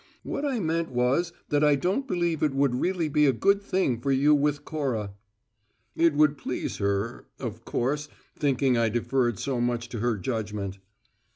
What I meant was that I don't believe it would really be a good thing for you with Cora." "It would please her, of course thinking I deferred so much to her judgment."